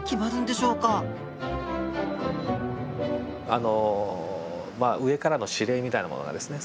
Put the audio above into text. あのまあ上からの指令みたいなものがですね